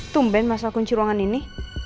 tumben masalah kunci ruangan ini